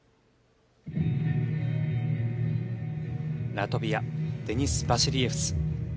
ラトビアデニス・バシリエフス。